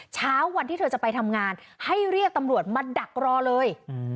เช้าวันที่เธอจะไปทำงานให้เรียกตำรวจมาดักรอเลย